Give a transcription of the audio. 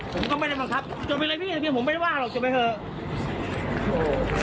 ผมก็ไม่ได้บังคับจบไปเลยพี่ผมไม่ได้ว่าหรอกจบไปเถอะ